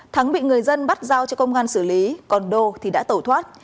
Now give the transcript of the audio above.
thắng bị người dân bắt giao cho công an xử lý còn đô thì đã tẩu thoát